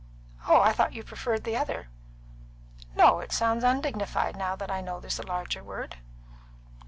"Oh, I thought you preferred the other." "No, it sounds undignified, now that I know there's a larger word.